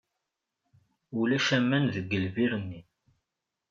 Ulac aman deg lbir-nni.